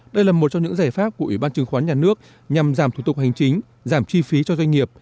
đây là một trong những giải pháp của ubnd nhằm giảm thủ tục hành chính giảm chi phí cho doanh nghiệp